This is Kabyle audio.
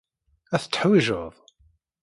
Ad t-teḥwijed.